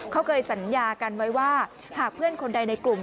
เขาเคยสัญญากันไว้ว่าหากเพื่อนคนใดในกลุ่ม